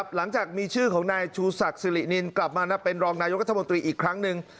หลังจากมีชื่อของนายชูศักดิ์สิรินินกลับมาเป็นรองนายกรัฐมนตรีอีกครั้งหนึ่ง